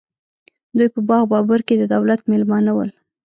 دوی په باغ بابر کې د دولت مېلمانه ول.